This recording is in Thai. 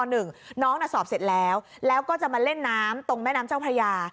น้องน่ะสอบเสร็จแล้วแล้วก็จะมาเล่นน้ำตรงแม่น้ำเจ้าพระยา